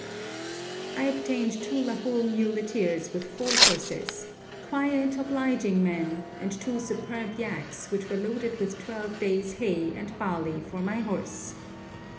I obtained two Lahul muleteers with four horses, quiet, obliging men, and two superb yaks, which were loaded with twelve days' hay and barley for my horse.